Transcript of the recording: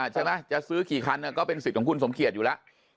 ใช่ไหมจะซื้อกี่คันก็เป็นสิทธิ์ของคุณสมเกียจอยู่แล้ว